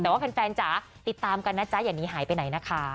แต่ว่าแฟนจ๋าติดตามกันนะจ๊ะอย่านี้หายไปไหนนะคะ